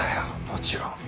もちろん。